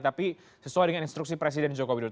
tapi sesuai dengan instruksi presiden joko widodo